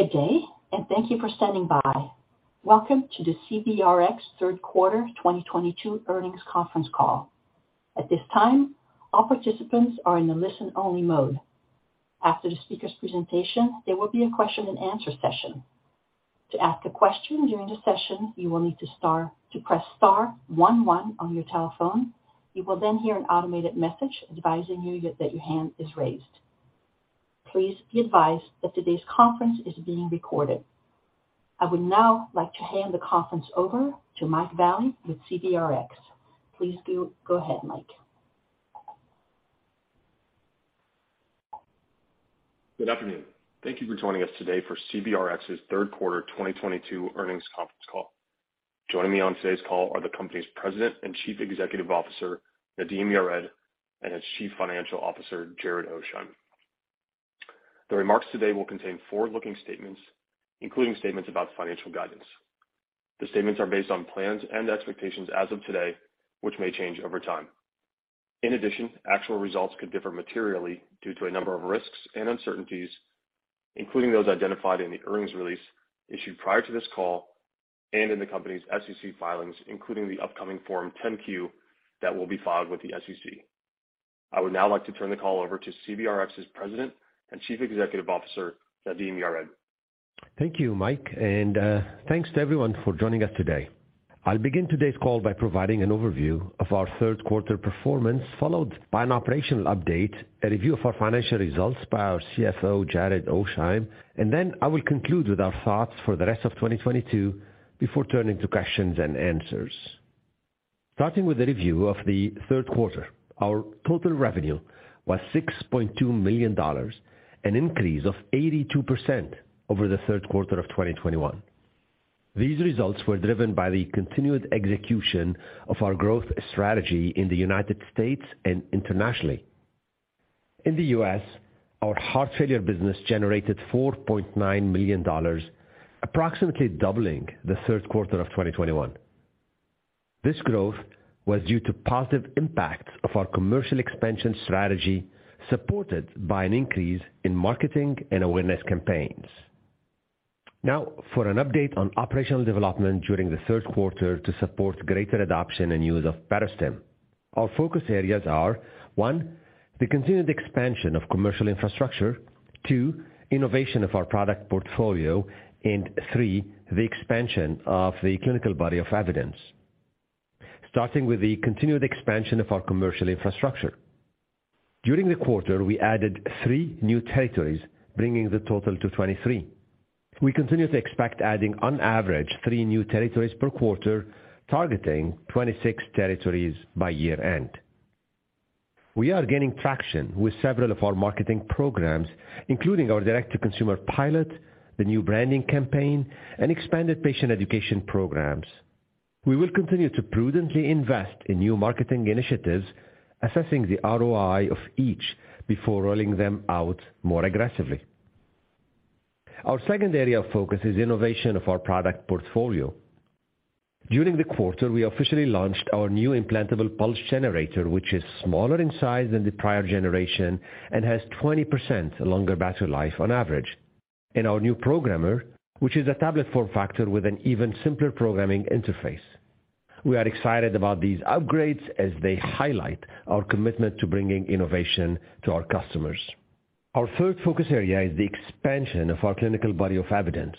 Good day, and thank you for standing by. Welcome to the CVRx third quarter 2022 earnings conference call. At this time, all participants are in a listen-only mode. After the speaker's presentation, there will be a question-and-answer session. To ask a question during the session, you will need to press star one one on your telephone. You will then hear an automated message advising you that your hand is raised. Please be advised that today's conference is being recorded. I would now like to hand the conference over to Mike Vallie with CVRx. Please do go ahead, Mike. Good afternoon. Thank you for joining us today for CVRx's third quarter 2022 earnings conference call. Joining me on today's call are the company's President and Chief Executive Officer, Nadim Yared, and its Chief Financial Officer, Jared Oasheim. The remarks today will contain forward-looking statements, including statements about financial guidance. The statements are based on plans and expectations as of today, which may change over time. In addition, actual results could differ materially due to a number of risks and uncertainties, including those identified in the earnings release issued prior to this call and in the company's SEC filings, including the upcoming Form 10-Q that will be filed with the SEC. I would now like to turn the call over to CVRx's President and Chief Executive Officer, Nadim Yared. Thank you, Mike, and thanks to everyone for joining us today. I'll begin today's call by providing an overview of our third quarter performance, followed by an operational update, a review of our financial results by our CFO, Jared Oasheim, and then I will conclude with our thoughts for the rest of 2022 before turning to questions and answers. Starting with the review of the third quarter. Our total revenue was $6.2 million, an increase of 82% over the third quarter of 2021. These results were driven by the continued execution of our growth strategy in the United States and internationally. In the U.S., our heart failure business generated $4.9 million, approximately doubling the third quarter of 2021. This growth was due to positive impact of our commercial expansion strategy, supported by an increase in marketing and awareness campaigns. Now, for an update on operational development during the third quarter to support greater adoption and use of Barostim. Our focus areas are: one, the continued expansion of commercial infrastructure, two, innovation of our product portfolio, and three, the expansion of the clinical body of evidence. Starting with the continued expansion of our commercial infrastructure. During the quarter, we added three new territories, bringing the total to 23. We continue to expect adding on average three new territories per quarter, targeting 26 territories by year-end. We are gaining traction with several of our marketing programs, including our direct-to-consumer pilot, the new branding campaign, and expanded patient education programs. We will continue to prudently invest in new marketing initiatives, assessing the ROI of each before rolling them out more aggressively. Our second area of focus is innovation of our product portfolio. During the quarter, we officially launched our new implantable pulse generator, which is smaller in size than the prior generation, and has 20% longer battery life, on average, in our new programmer, which is a tablet form factor with an even simpler programming interface. We are excited about these upgrades as they highlight our commitment to bringing innovation to our customers. Our third focus area is the expansion of our clinical body of evidence.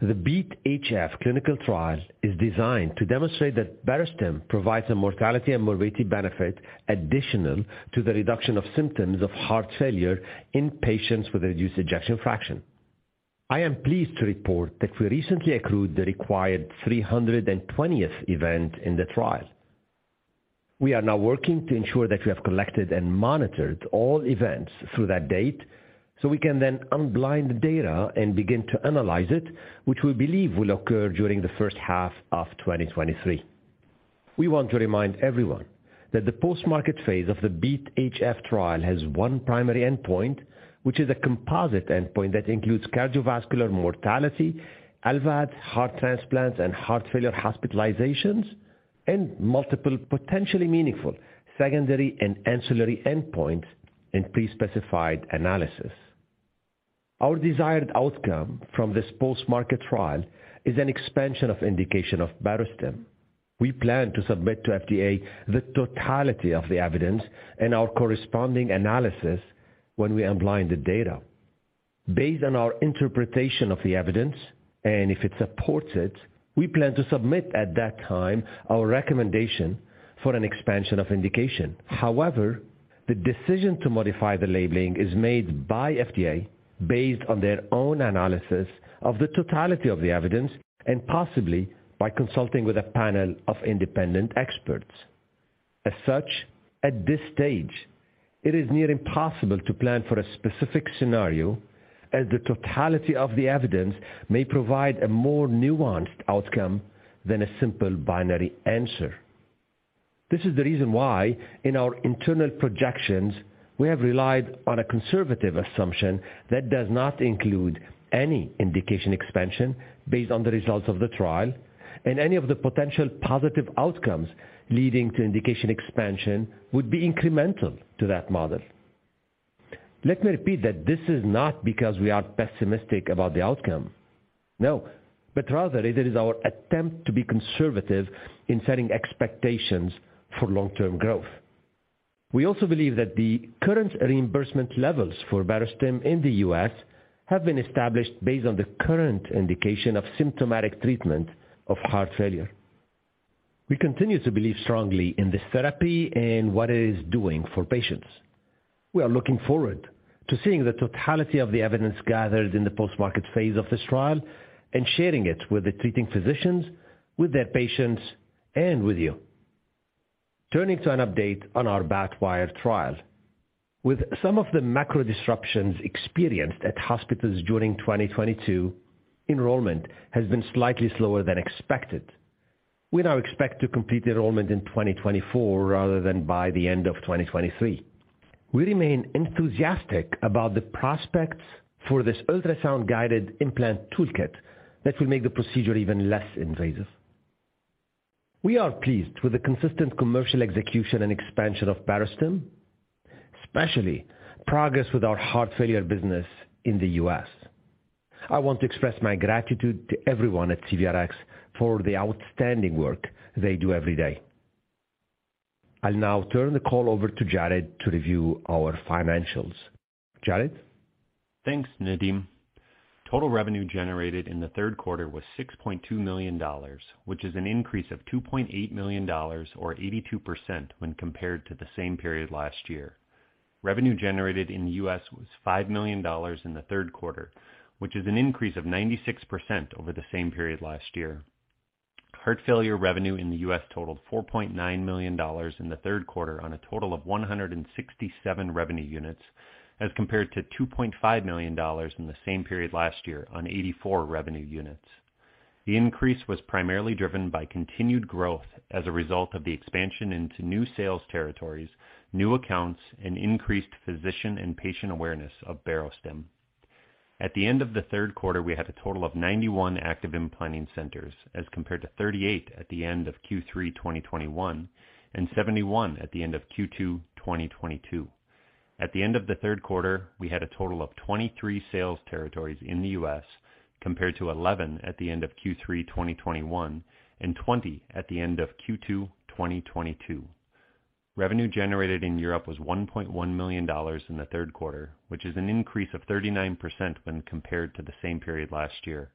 The BeAT-HF clinical trial is designed to demonstrate that Barostim provides a mortality and morbidity benefit, additional to the reduction of symptoms of heart failure in patients with a reduced ejection fraction. I am pleased to report that we recently accrued the required 320th event in the trial. We are now working to ensure that we have collected and monitored all events through that date so we can then unblind the data and begin to analyze it, which we believe will occur during the first half of 2023. We want to remind everyone that the post-market phase of the BeAT-HF trial has one primary endpoint, which is a composite endpoint that includes cardiovascular mortality, LVAD, heart transplants, and heart failure hospitalizations, and multiple potentially meaningful secondary and ancillary endpoints in pre-specified analysis. Our desired outcome from this post-market trial is an expansion of indication of Barostim. We plan to submit to FDA the totality of the evidence and our corresponding analysis when we unblind the data. Based on our interpretation of the evidence, and if it's supported, we plan to submit at that time our recommendation for an expansion of indication. However, the decision to modify the labeling is made by FDA based on their own analysis of the totality of the evidence and possibly by consulting with a panel of independent experts. As such, at this stage, it is near impossible to plan for a specific scenario as the totality of the evidence may provide a more nuanced outcome than a simple binary answer. This is the reason why, in our internal projections, we have relied on a conservative assumption that does not include any indication expansion based on the results of the trial, and any of the potential positive outcomes leading to indication expansion would be incremental to that model. Let me repeat that this is not because we are pessimistic about the outcome. No, but rather it is our attempt to be conservative in setting expectations for long-term growth. We also believe that the current reimbursement levels for Barostim in the U.S. have been established based on the current indication of symptomatic treatment of heart failure. We continue to believe strongly in this therapy and what it is doing for patients. We are looking forward to seeing the totality of the evidence gathered in the post-market phase of this trial and sharing it with the treating physicians, with their patients, and with you. Turning to an update on our BATwire trial. With some of the macro disruptions experienced at hospitals during 2022, enrollment has been slightly slower than expected. We now expect to complete the enrollment in 2024 rather than by the end of 2023. We remain enthusiastic about the prospects for this ultrasound-guided implant toolkit that will make the procedure even less invasive. We are pleased with the consistent commercial execution and expansion of Barostim, especially progress with our heart failure business in the U.S. I want to express my gratitude to everyone at CVRx for the outstanding work they do every day. I'll now turn the call over to Jared to review our financials. Jared? Thanks, Nadim. Total revenue generated in the third quarter was $6.2 million, which is an increase of $2.8 million or 82% when compared to the same period last year. Revenue generated in the U.S. was $5 million in the third quarter, which is an increase of 96% over the same period last year. Heart failure revenue in the U.S. totaled $4.9 million in the third quarter, on a total of 167 revenue units, as compared to $2.5 million in the same period last year, on 84 revenue units. The increase was primarily driven by continued growth as a result of the expansion into new sales territories, new accounts, and increased physician and patient awareness of Barostim. At the end of the third quarter, we had a total of 91 active implanting centers as compared to 38 at the end of Q3 2021 and 71 at the end of Q2 2022. At the end of the third quarter, we had a total of 23 sales territories in the U.S. compared to 11 at the end of Q3 2021 and 20 at the end of Q2 2022. Revenue generated in Europe was $1.1 million in the third quarter, which is an increase of 39% when compared to the same period last year.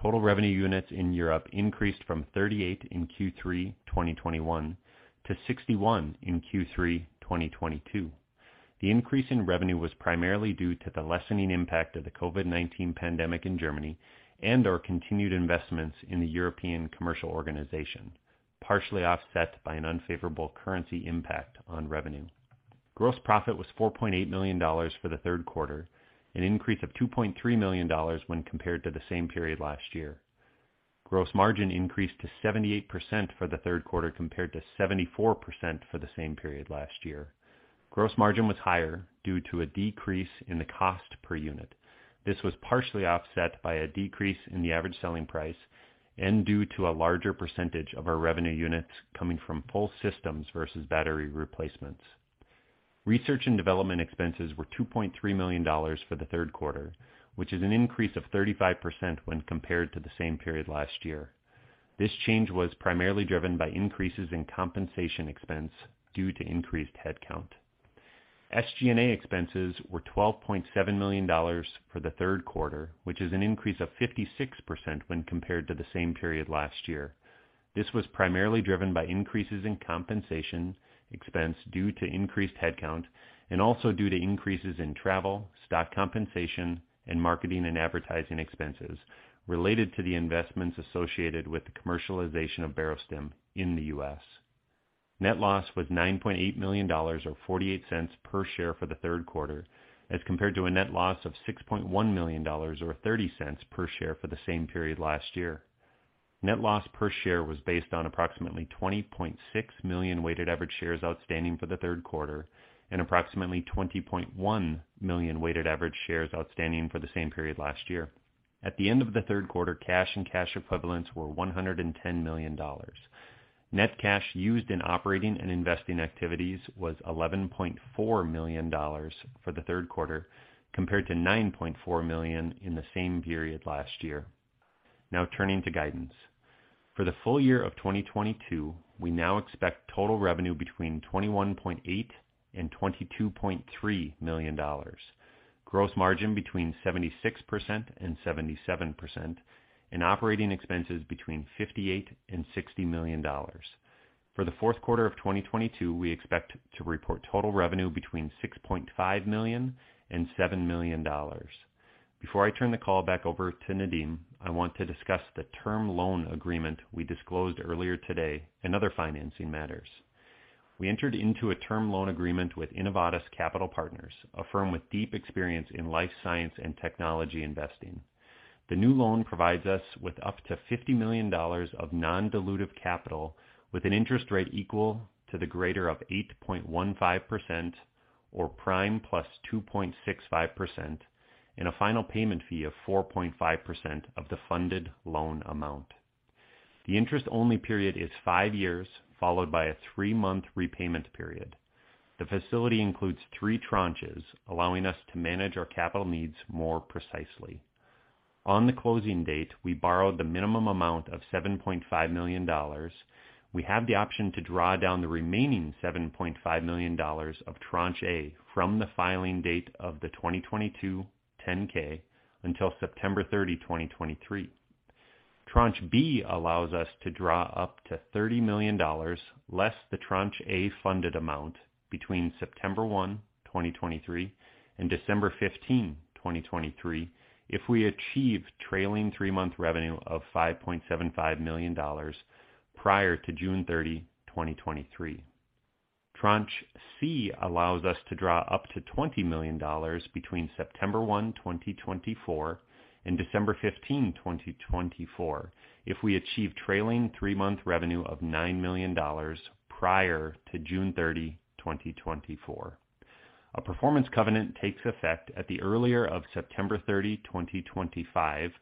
Total revenue units in Europe increased from 38 in Q3 2021 to 61 in Q3 2022. The increase in revenue was primarily due to the lessening impact of the COVID-19 pandemic in Germany and our continued investments in the European commercial organization, partially offset by an unfavorable currency impact on revenue. Gross profit was $4.8 million for the third quarter, an increase of $2.3 million when compared to the same period last year. Gross margin increased to 78% for the third quarter compared to 74% for the same period last year. Gross margin was higher due to a decrease in the cost per unit. This was partially offset by a decrease in the average selling price and due to a larger percentage of our revenue units coming from full systems versus battery replacements. Research and development expenses were $2.3 million for the third quarter, which is an increase of 35% when compared to the same period last year. This change was primarily driven by increases in compensation expense due to increased headcount. SG&A expenses were $12.7 million for the third quarter, which is an increase of 56% when compared to the same period last year. This was primarily driven by increases in compensation expense due to increased headcount and also due to increases in travel, stock compensation, and marketing and advertising expenses related to the investments associated with the commercialization of Barostim in the U.S. Net loss was $9.8 million or $0.48 per share for the third quarter as compared to a net loss of $6.1 million or $0.30 per share for the same period last year. Net loss per share was based on approximately 20.6 million weighted average shares outstanding for the third quarter and approximately 20.1 million weighted average shares outstanding for the same period last year. At the end of the third quarter, cash and cash equivalents were $110 million. Net cash used in operating and investing activities was $11.4 million for the third quarter compared to $9.4 million in the same period last year. Now, turning to guidance. For the full year of 2022, we now expect total revenue between $21.8 million-$22.3 million, gross margin between 76%-77%, and operating expenses between $58 million-$60 million. For the fourth quarter of 2022, we expect to report total revenue between $6.5 million-$7 million. Before I turn the call back over to Nadim, I want to discuss the term loan agreement we disclosed earlier today and other financing matters. We entered into a term loan agreement with Innovatus Capital Partners, a firm with deep experience in life, science, and technology investing. The new loan provides us with up to $50 million of non-dilutive capital, with an interest rate equal to the greater of 8.15%, or prime + 2.65%, and a final payment fee of 4.5% of the funded loan amount. The interest only period is five years, followed by a three-month repayment period. The facility includes three tranches, allowing us to manage our capital needs more precisely. On the closing date, we borrowed the minimum amount of $7.5 million. We have the option to draw down the remaining $7.5 million of tranche A from the filing date of the 2022 Form 10-K until September 30, 2023. Tranche B allows us to draw up to $30 million, less the tranche A-funded amount, between September 1, 2023 and December 15, 2023, if we achieve trailing three-month revenue of $5.75 million prior to June 30, 2023. Tranche C allows us to draw up to $20 million between September 1, 2024 and December 15, 2024, if we achieve trailing three-month revenue of $9 million prior to June 30, 2024. A performance covenant takes effect at the earlier of September 30, 2025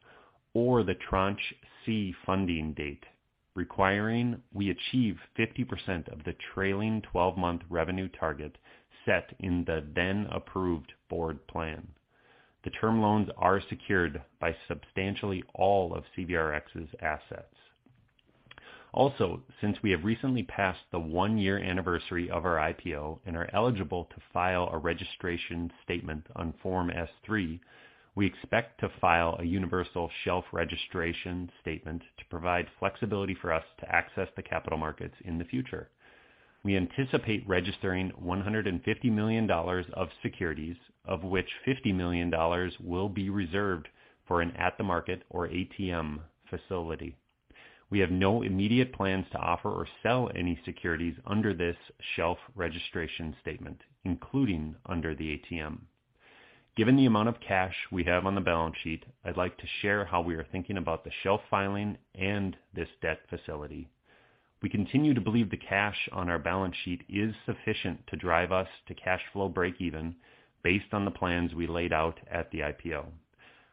or the tranche C funding date, requiring we achieve 50% of the trailing twelve-month revenue target set in the then approved board plan. The term loans are secured by substantially all of CVRx's assets. Also, since we have recently passed the one-year anniversary of our IPO and are eligible to file a registration statement on Form S-3, we expect to file a universal shelf registration statement to provide flexibility for us to access the capital markets in the future. We anticipate registering $150 million of securities, of which $50 million will be reserved for an at-the-market or ATM facility. We have no immediate plans to offer or sell any securities under this shelf registration statement, including under the ATM. Given the amount of cash we have on the balance sheet, I'd like to share how we are thinking about the shelf filing and this debt facility. We continue to believe the cash on our balance sheet is sufficient to drive us to cash flow breakeven based on the plans we laid out at the IPO.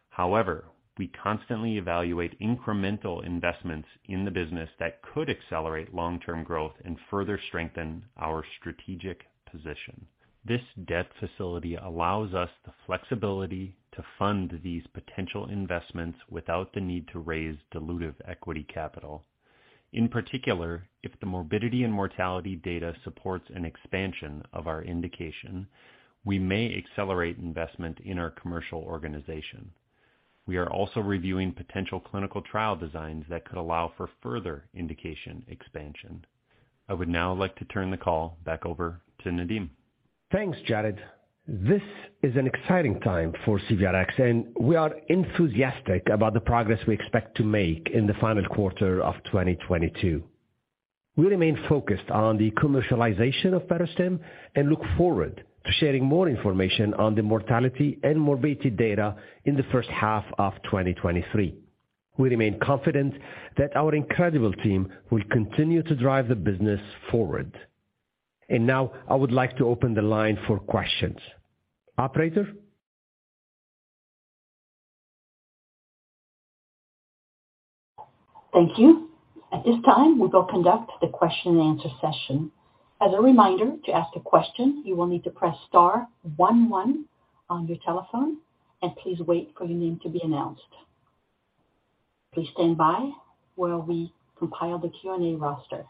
However, we constantly evaluate incremental investments in the business that could accelerate long-term growth and further strengthen our strategic position. This debt facility allows us the flexibility to fund these potential investments without the need to raise dilutive equity capital. In particular, if the morbidity and mortality data supports an expansion of our indication, we may accelerate investment in our commercial organization. We are also reviewing potential clinical trial designs that could allow for further indication expansion. I would now like to turn the call back over to Nadim. Thanks, Jared. This is an exciting time for CVRx, and we are enthusiastic about the progress we expect to make in the final quarter of 2022. We remain focused on the commercialization of Barostim, and look forward to sharing more information on the mortality and morbidity data in the first half of 2023. We remain confident that our incredible team will continue to drive the business forward. Now I would like to open the line for questions. Operator? Thank you. At this time, we will conduct the question-and-answer session. As a reminder, to ask a question, you will need to press star one one on your telephone, and please wait for your name to be announced. Please stand by while we compile the Q&A roster.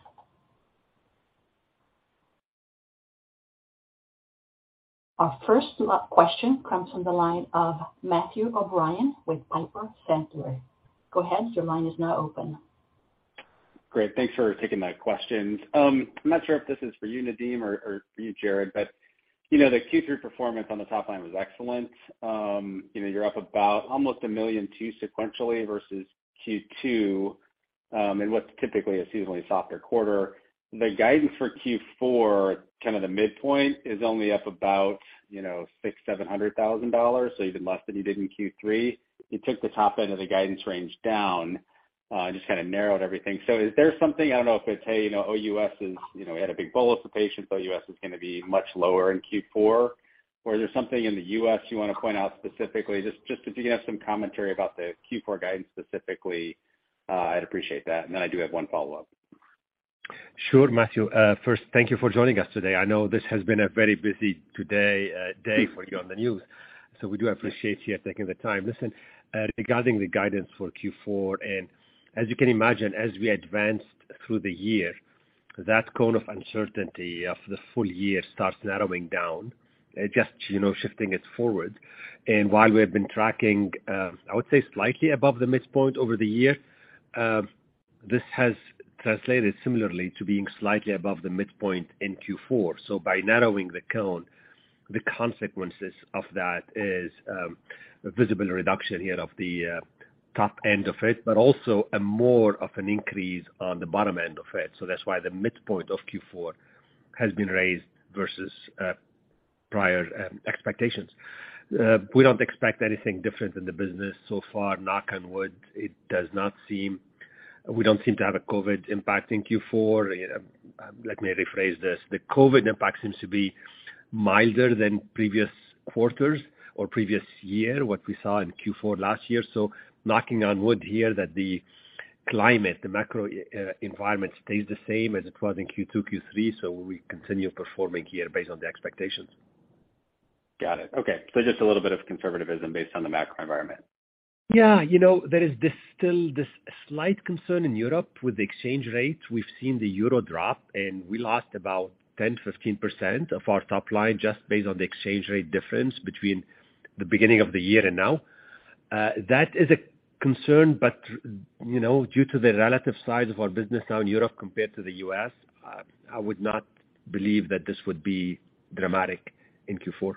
Our first question comes from the line of Matthew O'Brien with Piper Sandler. Go ahead, your line is now open. Great. Thanks for taking my questions. I'm not sure if this is for you, Nadim, or for you, Jared, but, you know, the Q3 performance on the top line was excellent. You know, you're up about almost $1.2 million sequentially versus Q2, and what's typically a seasonally softer quarter. The guidance for Q4, kind of the midpoint is only up about, you know, $600,000-$700,000. So, even less than you did in Q3. You took the top end of the guidance range down, and just kind of narrowed everything. So, is there something I don't know if it's, hey, you know, OUS is, you know, we had a big bolus of patients, OUS is going to be much lower in Q4, or is there something in the U.S. you want to point out specifically? Just, if you can have some commentary about the Q4 guidance specifically, I'd appreciate that. I do have one follow up. Sure. Matthew, first, thank you for joining us today. I know this has been a very busy day for you on the news, so we do appreciate you taking the time. Listen, regarding the guidance for Q4, and as you can imagine, as we advanced through the year, that cone of uncertainty of the full year starts narrowing down. It's just, you know, shifting it forward. While we have been tracking, I would say slightly above the midpoint over the year, this has translated similarly to being slightly above the midpoint in Q4. By narrowing the cone, the consequences of that is a visible reduction here of the top end of it, but also a more of an increase on the bottom end of it. That's why the midpoint of Q4 has been raised versus prior expectations. We don't expect anything different in the business so far. Knock on wood. We don't seem to have a COVID impact in Q4. Let me rephrase this. The COVID impact seems to be milder than previous quarters or previous year, what we saw in Q4 last year. Knocking on wood here, that the climate, the macro environment stays the same as it was in Q2, Q3, so we continue performing here based on the expectations. Got it. Okay. Just a little bit of conservatism based on the macro environment. Yeah. You know, there is this slight concern in Europe with the exchange rate. We've seen the euro drop, and we lost about 10%-15% of our top line just based on the exchange rate difference between the beginning of the year and now. That is a concern, but you know, due to the relative size of our business now in Europe compared to the U.S., I would not believe that this would be dramatic in Q4.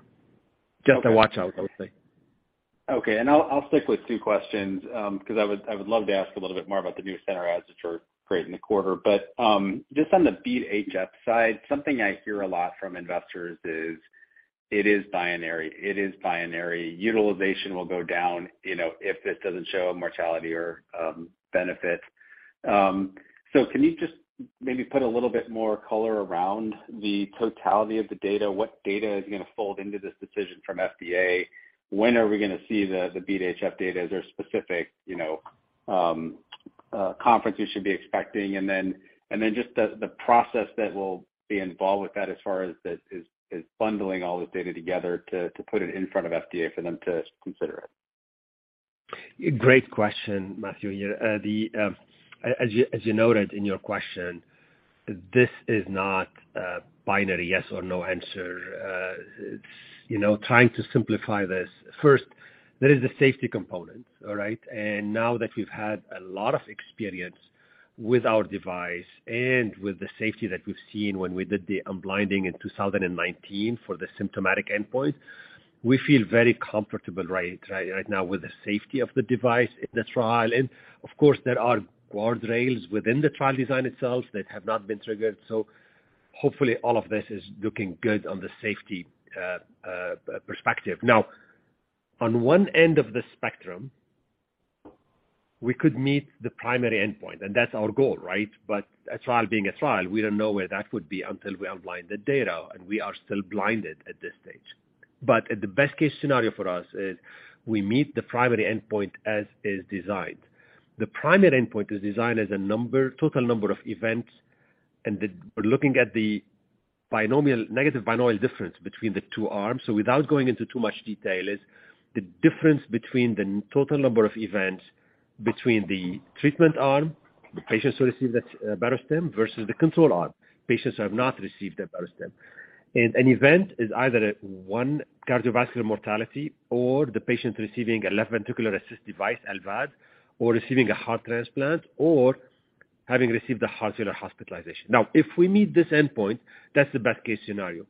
Just a watch-out, I would say. I'll stick with two questions, 'cause I would love to ask a little bit more about the new center as you're creating the quarter. Just on the BeAT-HF side, something I hear a lot from investors is it is binary. Utilization will go down, you know, if it doesn't show a mortality or benefit. Can you just maybe put a little bit more color around the totality of the data? What data is gonna fold into this decision from FDA? When are we gonna see the BeAT-HF data? Is there a specific, you know, conference you should be expecting? Just, the process that will be involved with that as far as this is bundling all this data together to put it in front of FDA for them to consider it. Great question, Matthew. Yeah. As you noted in your question, this is not a binary yes or no answer. It's, you know, trying to simplify this. First, there is the safety component, all right? Now that we've had a lot of experience with our device and with the safety that we've seen when we did the unblinding in 2019 for the symptomatic endpoint, we feel very comfortable right now with the safety of the device in the trial. Of course, there are guardrails within the trial design itself that have not been triggered. Hopefully all of this is looking good on the safety perspective. Now, on one end of the spectrum, we could meet the primary endpoint, and that's our goal, right? A trial being a trial, we don't know where that would be until we unblind the data, and we are still blinded at this stage. The best case scenario for us is we meet the primary endpoint as is designed. The primary endpoint is designed as a number, total number of events, we're looking at the binomial, negative binomial difference between the two arms. Without going into too much detail is the difference between the total number of events between the treatment arm, the patients who receive the Barostim, versus the control arm, patients who have not received the Barostim. An event is either one cardiovascular mortality or the patient receiving a left ventricular assist device, LVAD, or receiving a heart transplant or having received a heart failure hospitalization. Now, if we meet this endpoint, that's the best case scenario.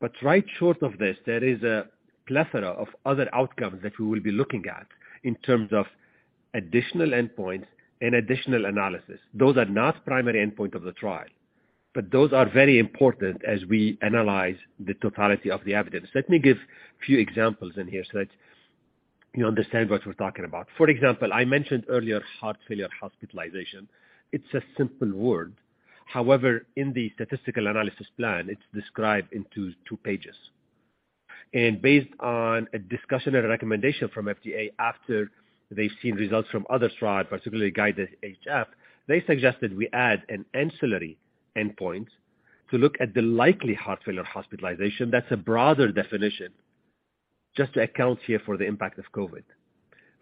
Just short of this, there is a plethora of other outcomes that we will be looking at in terms of additional endpoints and additional analysis. Those are not primary endpoint of the trial, but those are very important as we analyze the totality of the evidence. Let me give few examples in here so that you understand what we're talking about. For example, I mentioned earlier heart failure hospitalization. It's a simple word. However, in the statistical analysis plan, it's described in two pages. Based on a discussion and recommendation from FDA after they've seen results from other trials, particularly GUIDE-HF, they suggested we add an ancillary endpoint to look at the likelihood of heart failure hospitalization. That's a broader definition just to account here for the impact of COVID,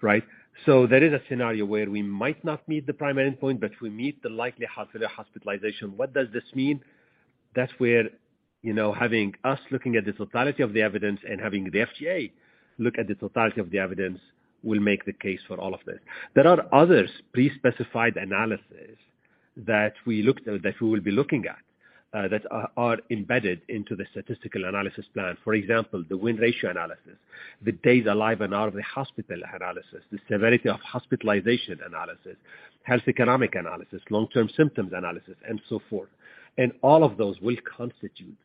right? There is a scenario where we might not meet the primary endpoint, but we meet the likely heart failure hospitalization. What does this mean? That's where, you know, having us looking at the totality of the evidence and having the FDA look at the totality of the evidence will make the case for all of this. There are other pre-specified analyses that we will be looking at that are embedded into the statistical analysis plan. For example, the win ratio analysis, the days alive and out of the hospital analysis, the severity of hospitalization analysis, health economic analysis, long-term symptoms analysis, and so forth. All of those will constitute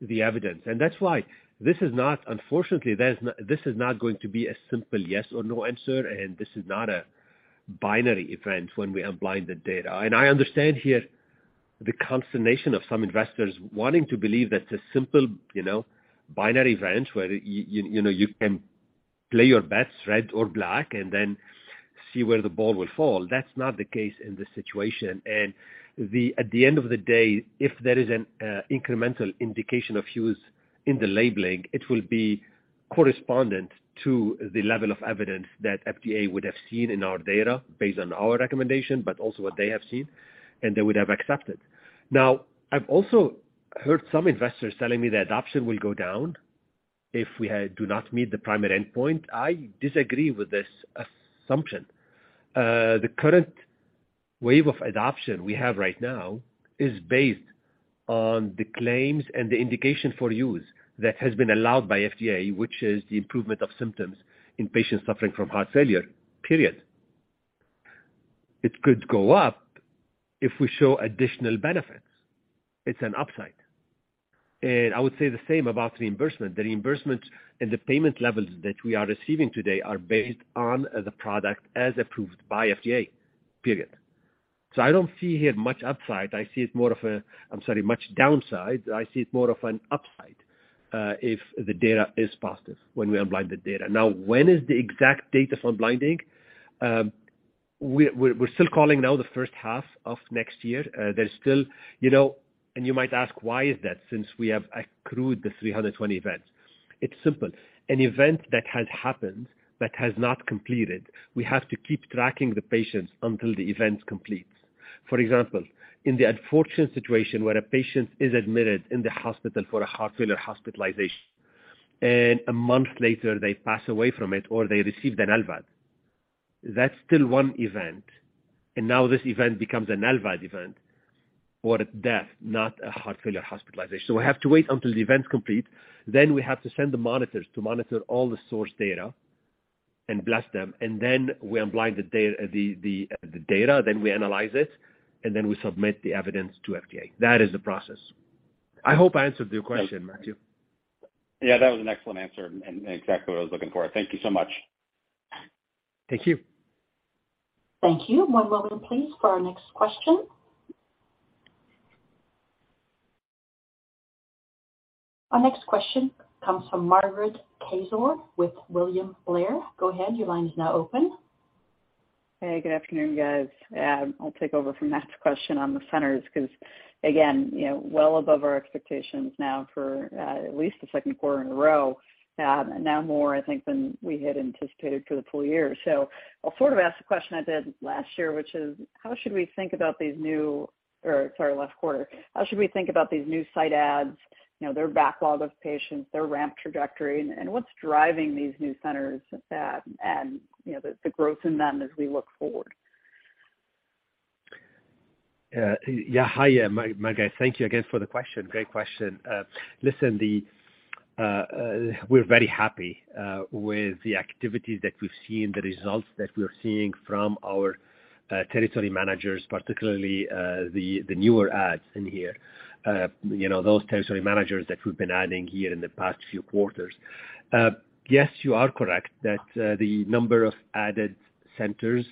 the evidence. That's why this is not, uUnfortunately, this is not going to be a simple yes or no answer, and this is not a binary event when we unblind the data. I understand here the consternation of some investors wanting to believe that's a simple, you know, binary event where you know, you can play your bets red or black and then see where the ball will fall. That's not the case in this situation. At the end of the day, if there is an incremental indication of use in the labeling, it will be corresponding to the level of evidence that FDA would have seen in our data based on our recommendation, but also what they have seen, and they would have accepted. Now, I've also heard some investors telling me the adoption will go down if we do not meet the primary endpoint. I disagree with this assumption. The current wave of adoption we have right now is based on the claims and the indication for use that has been allowed by FDA, which is the improvement of symptoms in patients suffering from heart failure, period. It could go up if we show additional benefits. It's an upside. I would say the same about reimbursement. The reimbursement and the payment levels that we are receiving today are based on the product as approved by FDA, period. I don't see here much upside. I see it more of an upside, if the data is positive when we unblind the data. Now, when is the exact date of unblinding? We're still calling it now the first half of next year. There's still, you know--You might ask why is that since we have accrued the 320 events. It's simple. An event that has happened that has not completed, we have to keep tracking the patients until the event completes. For example, in the unfortunate situation where a patient is admitted in the hospital for a heart failure hospitalization, and a month later they pass away from it or they receive an LVAD, that's still one event. Now, this event becomes an LVAD event or a death, not a heart failure hospitalization. We have to wait until the event complete, then we have to send the monitors to monitor all the source data and blast them, and then we unblind the data, then we analyze it, and then we submit the evidence to FDA. That is the process. I hope I answered your question, Matthew. Yeah, that was an excellent answer and exactly what I was looking for. Thank you so much. Thank you. Thank you. One moment please for our next question. Our next question comes from Margaret Kaczor with William Blair. Go ahead, your line is now open. Hey, good afternoon, guys. I'll take over from Matt's question on the centers because again, you know, well above our expectations now for at least the second quarter in a row, now more, I think, than we had anticipated for the full year. I'll sort of ask the question I did last quarter. How should we think about these new site adds, you know, their backlog of patients, their ramp trajectory, and what's driving these new centers, and, you know, the growth in them as we look forward? Yeah. Hi, Margaret. Thank you again for the question. Great question. Listen, we're very happy with the activity that we've seen, the results that we're seeing from our territory managers, particularly the newer adds in here. You know, those territory managers that we've been adding here in the past few quarters. Yes, you are correct that the number of added centers,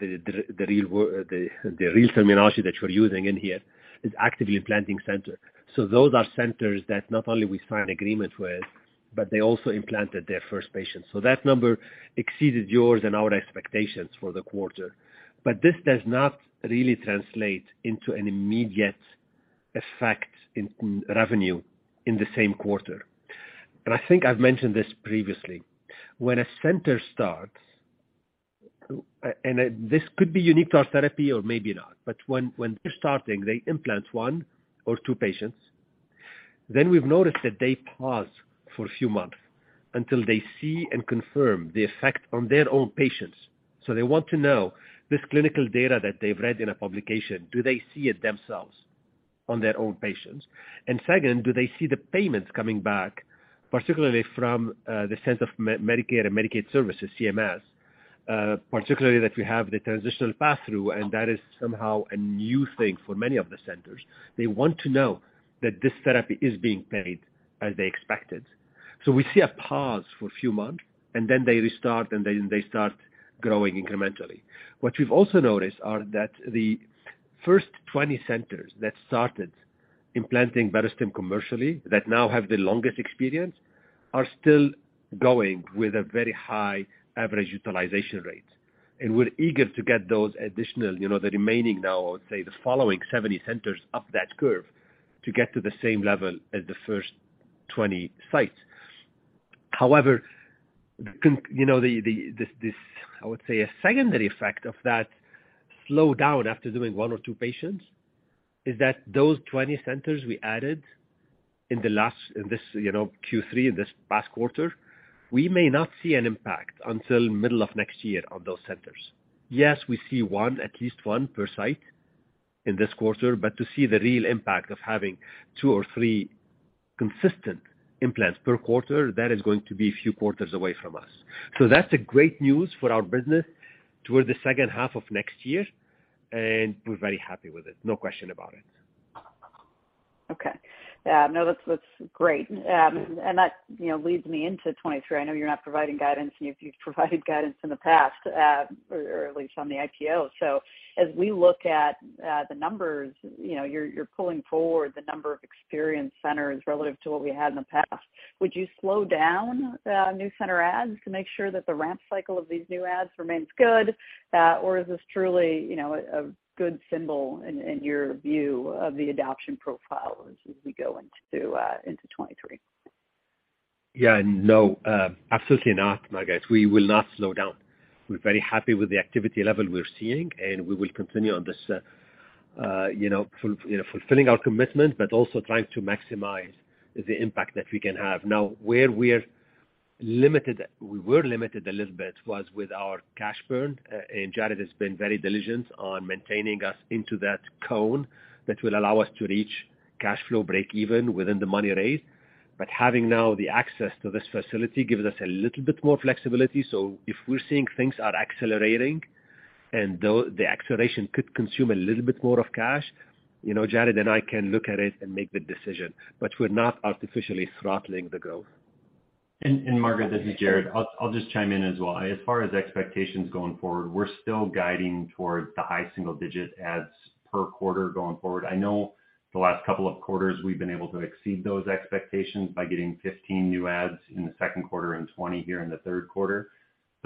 the real terminology that you're using in here is actively implanting center. So those are centers that not only we sign agreement with, but they also implanted their first patient. So that number exceeded yours and our expectations for the quarter. But this does not really translate into an immediate effect in revenue in the same quarter. I think I've mentioned this previously. When a center starts, this could be unique to our therapy or maybe not, but when they're starting, they implant one or two patients. We've noticed that they pause for a few months until they see and confirm the effect on their own patients. They want to know this clinical data that they've read in a publication, do they see it themselves on their own patients? Second, do they see the payments coming back, particularly from the Centers for Medicare & Medicaid Services, CMS, particularly that we have the transitional pass-through, and that is somehow a new thing for many of the centers. They want to know that this therapy is being paid as they expected. We see a pause for a few months, and then they restart, and they start growing incrementally. What we've also noticed are that the first 20 centers that started implanting Barostim commercially that now have the longest experience are still going with a very high average utilization rate. We're eager to get those additional, you know, the remaining now, I would say, the following 70 centers up that curve to get to the same level as the first 20 sites. However, you know, this, I would say, a secondary effect of that slow down after doing one or two patients is that those 20 centers we added in this, you know, Q3, in this past quarter, we may not see an impact until middle of next year on those centers. Yes, we see one, at least one per site in this quarter, but to see the real impact of having two or three consistent implants per quarter, that is going to be a few quarters away from us. That's the great news for our business toward the second half of next year, and we're very happy with it. No question about it. Okay. No, that's great. That, you know, leads me into 2023. I know you're not providing guidance, and you've provided guidance in the past, or at least on the IPO. As we look at the numbers, you know, you're pulling forward the number of experienced centers relative to what we had in the past. Would you slow down new center adds to make sure that the ramp cycle of these new adds remains good? Or is this truly, you know, a good symbol in your view of the adoption profile as we go into 2023? Yeah. No, absolutely not, Margaret. We will not slow down. We're very happy with the activity level we're seeing, and we will continue on this, you know, fulfilling our commitment, but also trying to maximize the impact that we can have. Now, where we're limited, we were limited a little bit with our cash burn, and Jared has been very diligent on maintaining us into that cone that will allow us to reach cash flow break even within the money raised. Having now the access to this facility gives us a little bit more flexibility. If we're seeing things are accelerating and the acceleration could consume a little bit more of cash, you know, Jared and I can look at it and make the decision. We're not artificially throttling the growth. Margaret, this is Jared. I'll just chime in as well. As far as expectations going forward, we're still guiding towards the high single digit adds per quarter going forward. I know the last couple of quarters we've been able to exceed those expectations by getting 15 new adds in the second quarter and 20 here in the third quarter.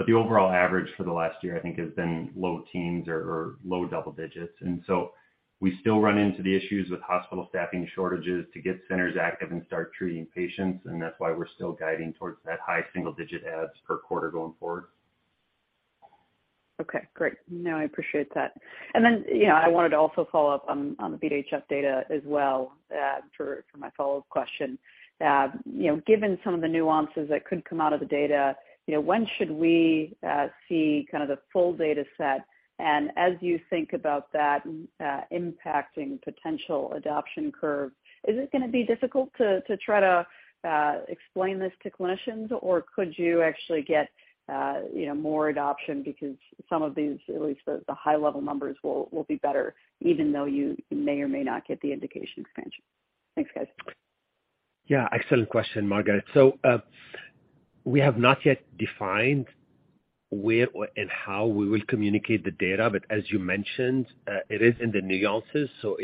The overall average for the last year, I think, has been low teens or low double digits. We still run into the issues with hospital staffing shortages to get centers active and start treating patients, and that's why we're still guiding towards that high single digit adds per quarter going forward. Okay, great. No, I appreciate that. I wanted to also follow up on the BeAT-HF data as well for my follow-up question. Given some of the nuances that could come out of the data, when should we see the full data set? As you think about that impacting potential adoption curve, is it gonna be difficult to try to explain this to clinicians? Could you actually get more adoption because some of these, at least the high-level numbers will be better even though you may or may not get the indication expansion? Thanks, guys. Yeah, excellent question, Margaret. So, we have not yet defined where and how we will communicate the data, but as you mentioned, it is in the nuances, so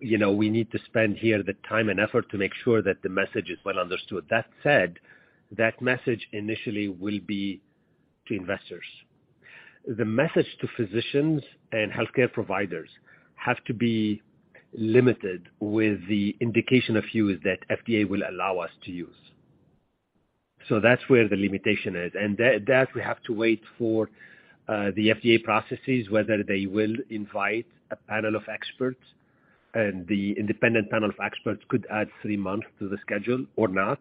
you know, we need to spend here the time and effort to make sure that the message is well understood. That said, that message initially will be to investors. The message to physicians and healthcare providers have to be limited with the indication of use that FDA will allow us to use. So that's where the limitation is, that we have to wait for the FDA processes, whether they will invite a panel of experts, and the independent panel of experts could add three months to the schedule or not.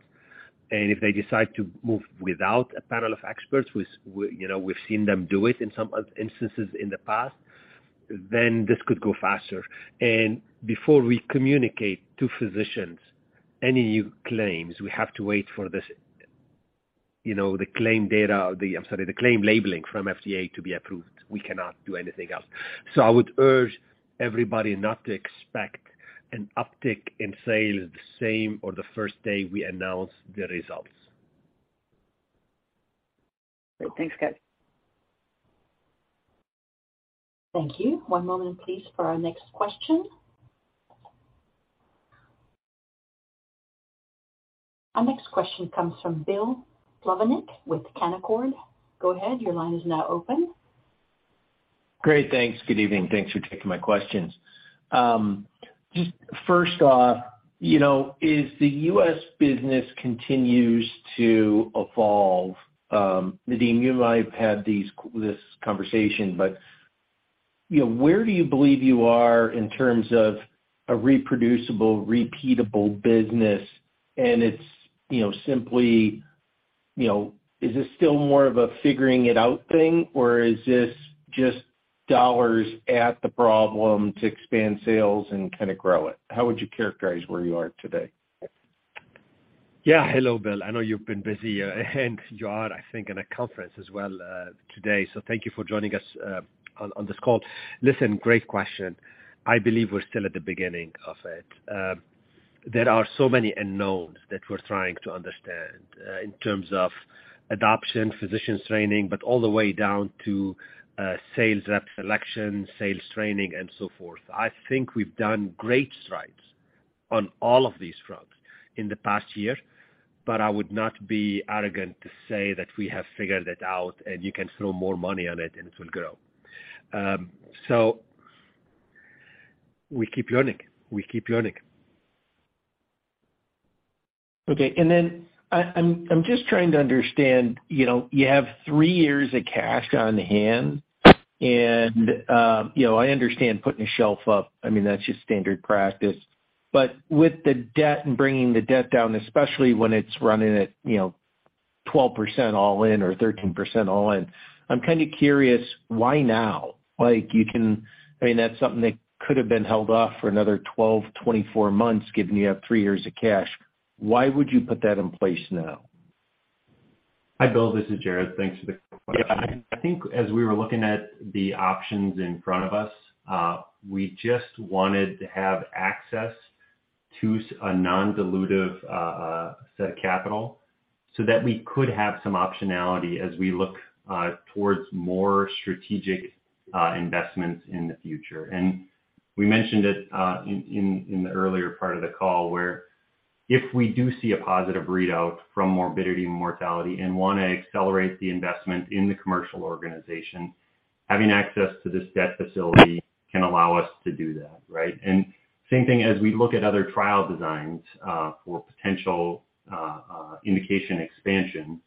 If they decide to move without a panel of experts, which we, you know, we've seen them do it in some instances in the past, then this could go faster. Before we communicate to physicians any new claims, we have to wait for this, you know, I'm sorry, the claim labeling from FDA to be approved. We cannot do anything else. I would urge everybody not to expect an uptick in sales the same or the first day we announce the results. Great. Thanks, guys. Thank you. One moment please for our next question. Our next question comes from Bill Plovanic with Canaccord. Go ahead, your line is now open. Great, thanks. Good evening. Thanks for taking my questions. Just first off, you know, as the U.S. business continues to evolve, Nadim, you and I have had this conversation, but, you know, where do you believe you are in terms of a reproducible, repeatable business? It's, you know, simply, you know, is this still more of a figuring it out thing, or is this just dollars at the problem to expand sales and kinda grow it? How would you characterize where you are today? Yeah. Hello, Bill. I know you've been busy, and you are, I think, in a conference as well, today. Thank you for joining us, on this call. Listen, great question. I believe we're still at the beginning of it. There are so many unknowns that we're trying to understand, in terms of adoption, physician training, but all the way down to sales rep selection, sales training, and so forth. I think we've done great strides on all of these fronts in the past year, but I would not be arrogant to say that we have figured it out, and you can throw more money on it and it will grow. We keep learning. We keep learning. Okay. I'm just trying to understand, you know, you have three years of cash on hand and, you know, I understand putting a shelf up. I mean, that's just standard practice. But with the debt and bringing the debt down, especially when it's running at, you know, 12% all-in or 13% all-in, I'm kinda curious why now? Like, you can, I mean, that's something that could have been held off for another 12, 24 months given you have three years of cash. Why would you put that in place now? Hi, Bill. This is Jared. Thanks for the question. I think as we were looking at the options in front of us, we just wanted to have access to a non-dilutive set of capital so that we could have some optionality as we look towards more strategic investments in the future. We mentioned it in the earlier part of the call, where if we do see a positive readout from morbidity and mortality and wanna accelerate the investment in the commercial organization, having access to this debt facility can allow us to do that, right? Same thing as we look at other trial designs for potential indication expansion.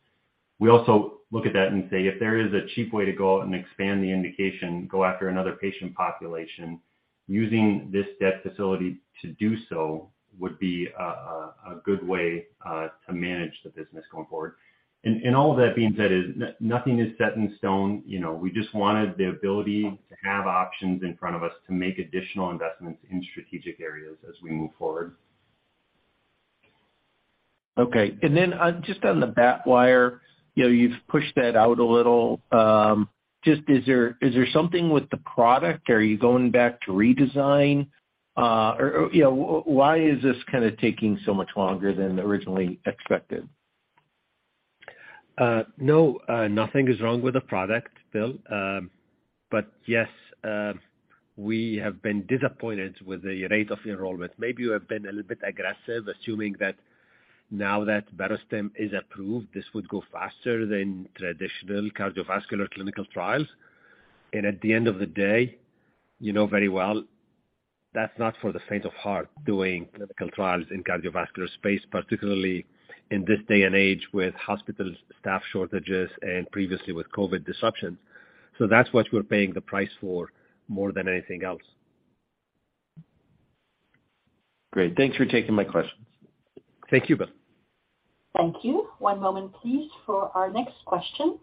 We also look at that and say, if there is a cheap way to go out and expand the indication, go after another patient population, using this debt facility to do so would be a good way to manage the business going forward. All that being said, nothing is set in stone. You know, we just wanted the ability to have options in front of us to make additional investments in strategic areas as we move forward. Okay. Just on the BATwire, you know, you've pushed that out a little. Just, is there something with the product? Are you going back to redesign? Or, you know, why is this kinda taking so much longer than originally expected? No, nothing is wrong with the product, Bill. Yes, we have been disappointed with the rate of enrollment. Maybe we have been a little bit aggressive assuming that now that Barostim is approved, this would go faster than traditional cardiovascular clinical trials. At the end of the day, you know very well that's not for the faint of heart doing clinical trials in cardiovascular space, particularly in this day and age with hospital staff shortages and previously with COVID disruptions. That's what we're paying the price for more than anything else. Great. Thanks for taking my questions. Thank you, Bill. Thank you. One moment please for our next question.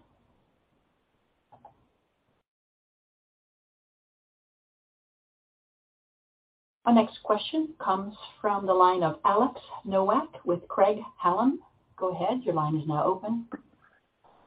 Our next question comes from the line of Alex Nowak with Craig-Hallum. Go ahead, your line is now open.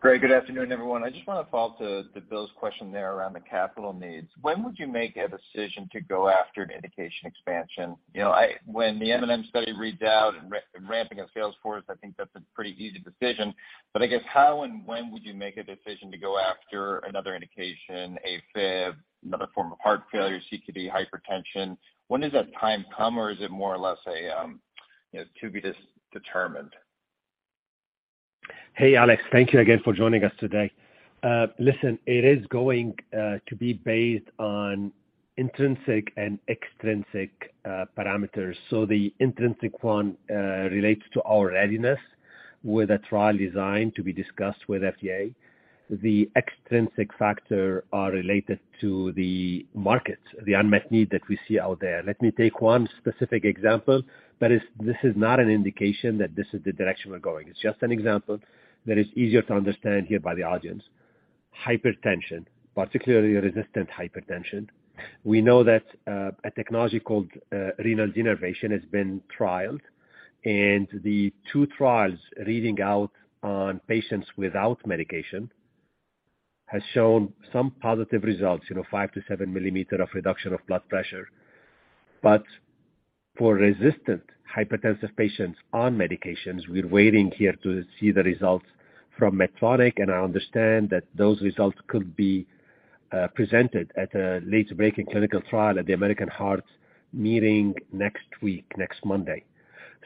Great. Good afternoon, everyone. I just wanna follow up to Bill's question there around the capital needs. When would you make a decision to go after an indication expansion? You know, when the M&M study reads out and ramping of sales force, I think that's a pretty easy decision. I guess how and when would you make a decision to go after another indication, AFib, another form of heart failure, CKD, hypertension? When does that time come, or is it more or less a, you know, to be just determined? Hey, Alex. Thank you again for joining us today. Listen, it is going to be based on intrinsic and extrinsic parameters. The intrinsic one relates to our readiness with a trial design to be discussed with FDA. The extrinsic factor are related to the markets, the unmet need that we see out there. Let me take one specific example, that is, this is not an indication that this is the direction we're going. It's just an example that is easier to understand here by the audience. Hypertension, particularly resistant hypertension. We know that a technology called renal denervation has been trialed, and the two trials reading out on patients without medication has shown some positive results, you know, 5 mm-7 mm of reduction of blood pressure. For resistant hypertensive patients on medications, we're waiting here to see the results from Medtronic, and I understand that those results could be presented at a late-breaking clinical trial at the American Heart Association meeting next week, next Monday.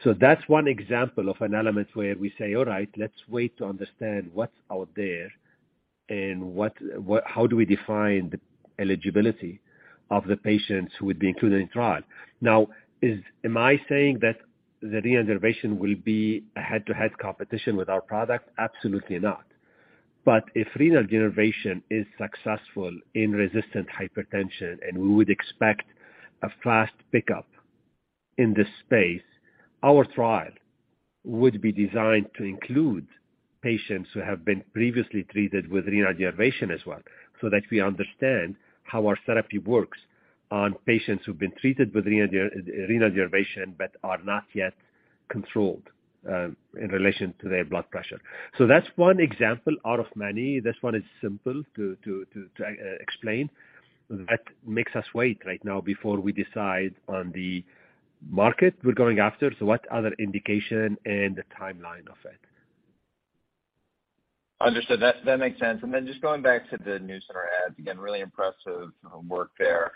That's one example of an element where we say, all right, let's wait to understand what's out there and what how do we define the eligibility of the patients who would be included in trial. Now, am I saying that the renal denervation will be a head-to-head competition with our product? Absolutely not. If renal denervation is successful in resistant hypertension, and we would expect a fast pickup in this space, our trial would be designed to include patients who have been previously treated with renal denervation as well, so that we understand how our therapy works on patients who've been treated with renal denervation but are not yet controlled in relation to their blood pressure. That's one example out of many. This one is simple to explain. That makes us wait right now before we decide on the market we're going after, so what other indication and the timeline of it. Understood. That makes sense. Just going back to the new center adds, again, really impressive work there.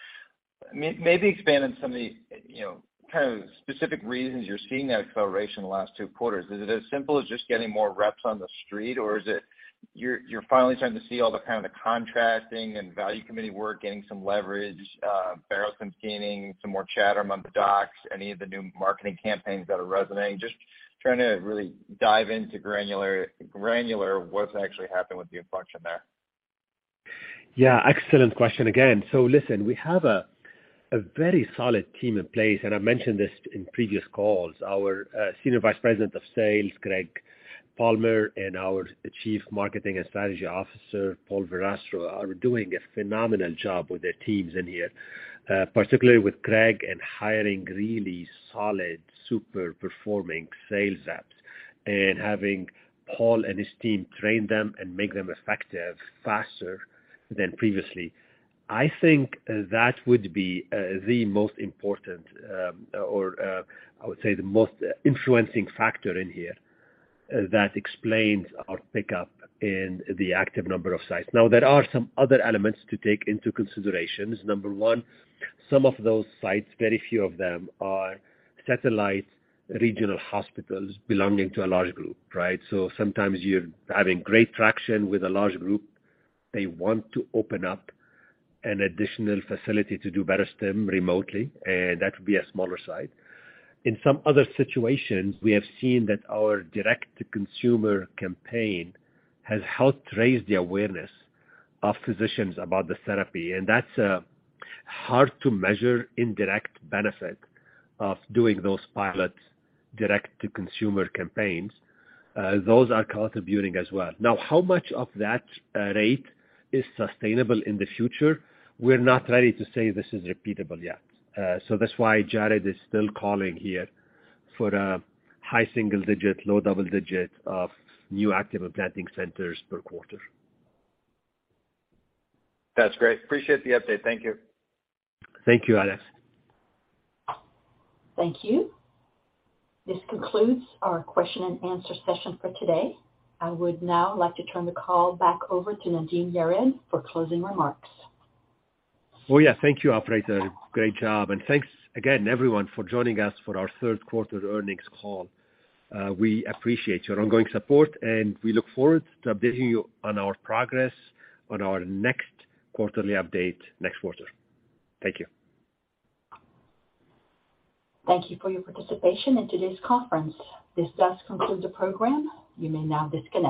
Maybe expand on some of the, you know, kind of specific reasons you're seeing that acceleration the last two quarters. Is it as simple as just getting more reps on the street, or is it you're finally starting to see all the kind of the contracting and value committee work, getting some leverage, Barostim's gaining some more chatter among the docs, any of the new marketing campaigns that are resonating? Just, trying to really dive into granular what's actually happening with the funnel there. Yeah, excellent question again. Listen, we have a very solid team in place, and I mentioned this in previous calls. Our Senior Vice President of Sales, Craig Palmer, and our Chief Marketing and Strategy Officer, Paul Verrastro, are doing a phenomenal job with their teams here. Particularly with Craig and hiring really solid, super-performing sales reps, and having Paul and his team train them and make them effective faster than previously. I think that would be the most important, or I would say, the most influencing factor here that explains our pickup in the active number of sites. Now, there are some other elements to take into considerations. Number one, some of those sites, very few of them are satellite regional hospitals belonging to a large group, right? Sometimes you're having great traction with a large group. They want to open up an additional facility to do Barostim remotely, and that would be a smaller site. In some other situations, we have seen that our direct-to-consumer campaign has helped raise the awareness of physicians about the therapy, and that's a hard-to-measure indirect benefit of doing those pilot direct-to-consumer campaigns. Those are contributing as well. Now, how much of that rate is sustainable in the future? We're not ready to say this is repeatable yet. That's why Jared is still calling here for a high single-digit, low double-digit of new active implanting centers per quarter. That's great. Appreciate the update. Thank you. Thank you, Alex. Thank you. This concludes our question-and-answer session for today. I would now like to turn the call back over to Nadim Yared for closing remarks. Oh, yeah. Thank you, operator. Great job. Thanks again, everyone, for joining us for our third quarter earnings call. We appreciate your ongoing support, and we look forward to updating you on our progress on our next quarterly update next quarter. Thank you. Thank you for your participation in today's conference. This does conclude the program. You may now disconnect.